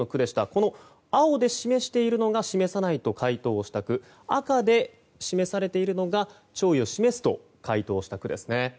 この青で示しているのが示さないと回答した区赤で示されているのが弔意を示すと回答した区です。